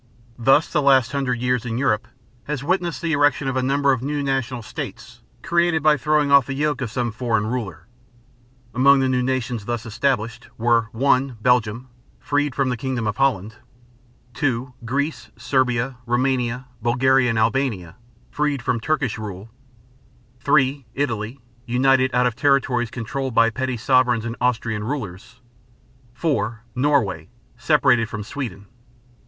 Thus the last hundred years in Europe has witnessed the erection of a number of new national states created by throwing off the yoke of some foreign ruler. Among the new nations thus established were (1) Belgium, freed from the kingdom of Holland; (2) Greece, Serbia, Roumania, Bulgaria, and Albania, freed from Turkish rule; (3) Italy, united out of territories controlled by petty sovereigns and Austrian rulers; (4) Norway, separated from Sweden.